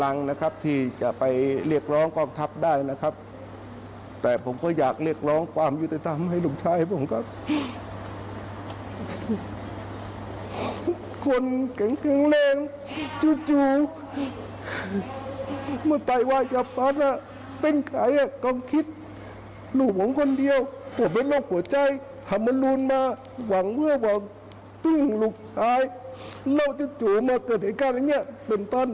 ลองฟังเพื่อว่าติ้งลูกชายโรคจิตจุมาเกิดเหตุการณ์แบบนี้เป็นต้น